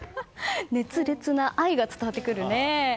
熱烈な愛が伝わってくるね。